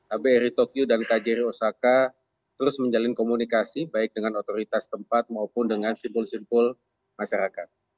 kbri tokyo dan kjri osaka terus menjalin komunikasi baik dengan otoritas tempat maupun dengan simpul simpul masyarakat